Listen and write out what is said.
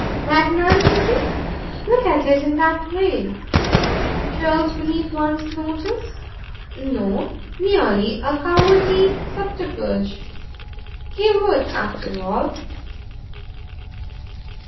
Magnanimity? Look at it in that way? Churls beneath one's notice? No; merely a cowardly subterfuge. He WOULD after all.